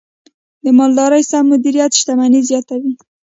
د مالدارۍ سم مدیریت شتمني زیاتوي.